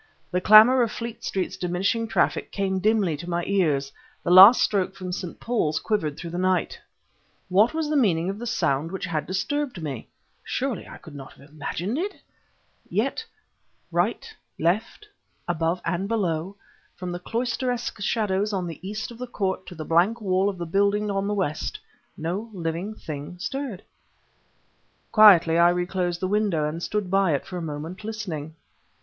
The clamor of Fleet Street's diminishing traffic came dimly to my ears; the last stroke from St. Paul's quivered through the night. What was the meaning of the sound which had disturbed me? Surely I could not have imagined it? Yet, right, left, above and below, from the cloisteresque shadows on the east of the court to the blank wall of the building on the west, no living thing stirred. Quietly, I reclosed the window, and stood by it for a moment listening.